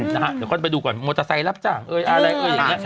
เดี๋ยวเขาจะไปดูก่อนมอเตอร์ไซล์รับจ้างอะไรอย่างนี้